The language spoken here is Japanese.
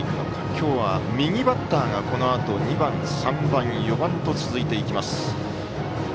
今日は右バッターがこのあと２番、３番、４番と続いていきます。